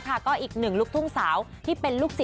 ในอิกกี้นี่ที่โดนค่ะ